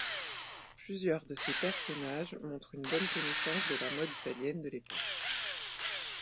Plusieurs de ses personnages montrent une bonne connaissance de la mode italienne de l'époque.